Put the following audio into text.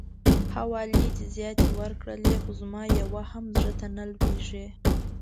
حوالې دي زياتې ورکړلې خو زما يوه هم زړه ته نه لويږي.